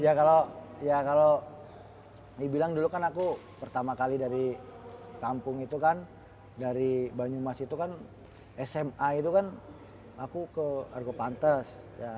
ya kalau ya kalau dibilang dulu kan aku pertama kali dari kampung itu kan dari banyumas itu kan sma itu kan aku ke argo pantes